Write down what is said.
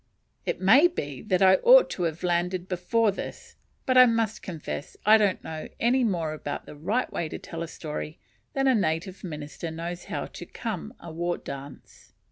It may be that I ought to have landed before this; but I must confess I don't know any more about the right way to tell a story, than a native minister knows how to "come" a war dance.